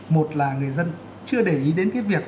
một là người dân chưa để ý đến cái việc